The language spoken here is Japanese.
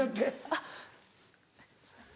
あっ。